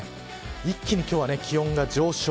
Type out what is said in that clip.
一気に今日は気温が上昇。